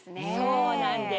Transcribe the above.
そうなんです。